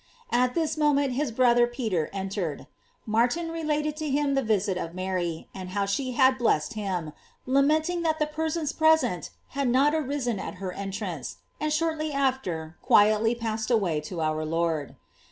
At thii moment his brother Peter entered. Martin re GLORIES OP MABY. 109 lated to him the visit of Mary, and how she had blessed him, lamenting that the persons present had not arisen at her entrance; and shortly after quietly passed away to our Lord.